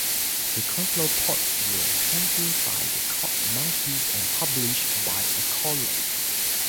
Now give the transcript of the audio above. The console ports were handled by The Code Monkeys and published by Accolade.